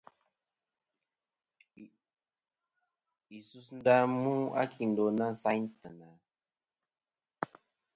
A sus ndà mu a kindo i na sayn teyna?